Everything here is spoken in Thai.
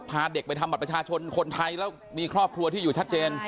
พาเด็กไปทำบัตรประชาชนคนไทยแล้วมีครอบครัวที่อยู่ชัดเจน